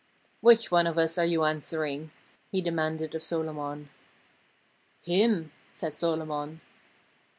"Which one of us are you answering?" he demanded of Solomon. "Him!" said Solomon.